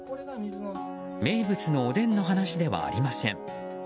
名物のおでんの話ではありません。